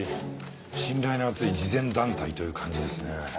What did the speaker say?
信頼の厚い慈善団体という感じですね。